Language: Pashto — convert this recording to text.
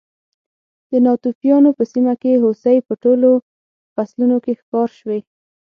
د ناتوفیانو په سیمه کې هوسۍ په ټولو فصلونو کې ښکار شوې.